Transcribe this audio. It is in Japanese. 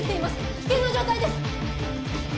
危険な状態です！